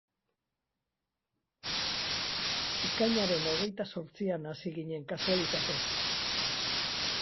Ekainaren hogeita zortzian hasi ginen, kasualitatez.